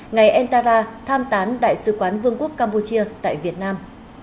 ngài entara tham tán đại sứ quán vương quốc campuchia tại việt nam